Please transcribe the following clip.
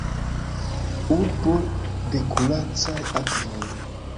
Urbo de kuracaj akvoj.